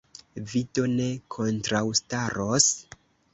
Vi do ne kontraŭstaros?